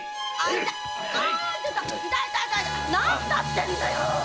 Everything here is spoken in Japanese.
何だってんだよ！